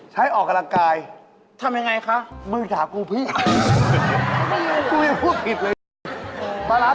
ใครหรือเปล่า